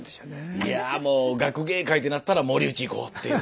いやもう学芸会ってなったら森内いこう！っていう。